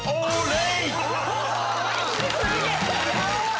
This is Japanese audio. すごい！